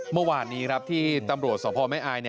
เมื่อวานนี้ครับที่ตำรวจสพแม่อาย